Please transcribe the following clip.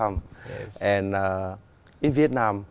trong việt nam